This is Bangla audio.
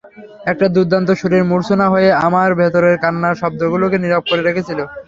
একটা দুর্দান্ত সুরের মূর্ছনা হয়ে আমার ভেতরের কান্নার শব্দগুলোকে নীরব করে রেখেছিল।